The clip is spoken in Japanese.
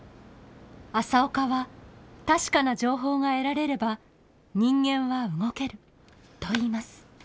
朝岡は確かな情報が得られれば人間は動けると言います。